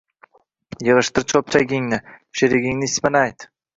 Yig`ishtir cho`pchagingni, sheringning ismini ayt